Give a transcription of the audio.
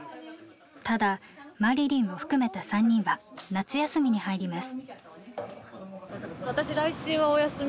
ただまりりんも含めた３人は夏休みに入ります。